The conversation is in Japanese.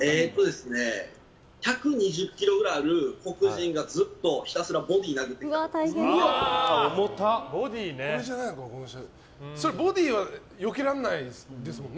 １２０ｋｇぐらいある黒人がずっと、ひたすらボディー殴ってきた時ですかね。